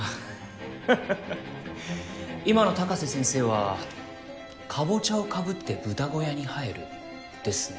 ハハハッ今の高瀬先生は「カボチャをかぶって豚小屋に入る」ですね。